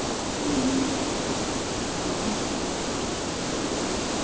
"Come in," sighed a weak voice.